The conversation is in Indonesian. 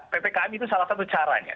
ppkm itu salah satu caranya